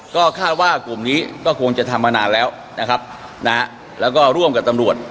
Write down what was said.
ก็คาดว่ากลุ่มนี้ก็คงจะทำมานานแล้วนะครับนะฮะแล้วก็ร่วมกับตำรวจ